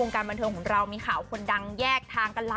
การบันเทิงของเรามีข่าวคนดังแยกทางกันล่ะ